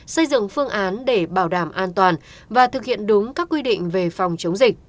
xây dựng phương án để bảo đảm an toàn và thực hiện đúng các quy định về phòng chống dịch